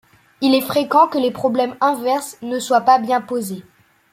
Il est fréquent que les problèmes inverses ne soient pas bien posés.